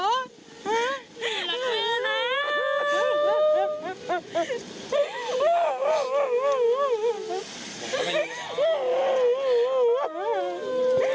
ไม่รักใคร